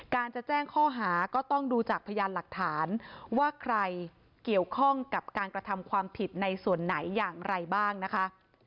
จะแจ้งข้อหาก็ต้องดูจากพยานหลักฐานว่าใครเกี่ยวข้องกับการกระทำความผิดในส่วนไหนอย่างไรบ้างนะคะ